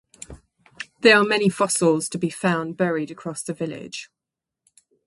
There are many fossils to be found buried across the village.